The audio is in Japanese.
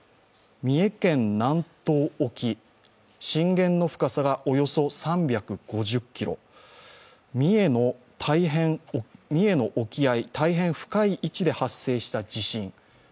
三重県南東沖、震源の深さがおよそ３５０ｋｍ、三重の沖合、大変深いところで発生した地震。